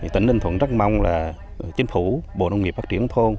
tỉnh ninh thuận rất mong là chính phủ bộ nông nghiệp phát triển thôn